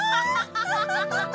ハハハハ！